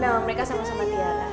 ya mereka sama sama tiara